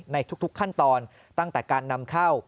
ในทุกขั้นตอนตั้งแต่การนำเข้า